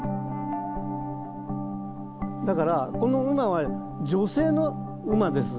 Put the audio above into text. だからこの馬は女性の馬です。